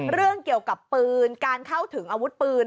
เรื่องเกี่ยวกับปืนการเข้าถึงอาวุธปืน